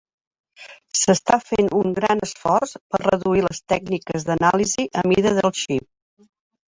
S'està fent un gran esforç per reduir les tècniques d'anàlisi a mida del xip.